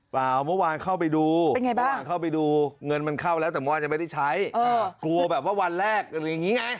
เมื่อวานเข้าไปดูเมื่อวานเข้าไปดูเงินมันเข้าแล้วแต่เมื่อวานยังไม่ได้ใช้กลัวแบบว่าวันแรกอย่างนี้ไง